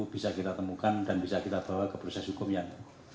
bisa kita temukan dan bisa kita bawa ke proses hukum yang